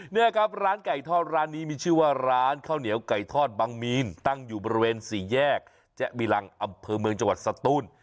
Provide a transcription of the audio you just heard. นี่ครับร้านไก่ทอดร้านนี้มีชื่อว่าร้านข้าวเหนียวไก่ทอดบังมีนตั้งอยู่บริเวณสี่แยกแจ๊บิลังอำเภอเมืองจังหวัดสตูน